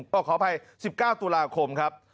ขออภัย๑๙ตุลาคมครับ